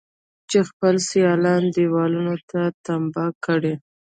چې خپل سيالان دېوالونو ته تمبه کړي.